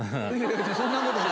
そんなことない。